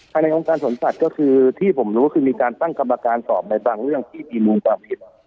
ในองค์การสวนสัตว์ก็คือที่ผมรู้ก็คือมีการตั้งกรรมการสอบในบางเรื่องที่มีมูลความผิด